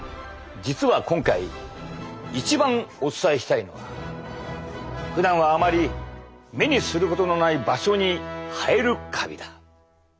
実は今回一番お伝えしたいのはふだんはあまり目にすることのない場所に生えるカビだ。